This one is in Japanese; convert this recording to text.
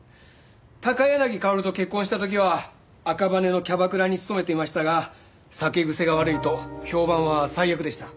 高柳薫と結婚した時は赤羽のキャバクラに勤めていましたが酒癖が悪いと評判は最悪でした。